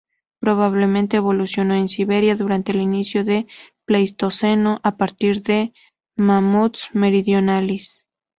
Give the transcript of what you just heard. Probablemente evolucionó en Siberia durante el inicio del Pleistoceno a partir de "Mammuthus meridionalis".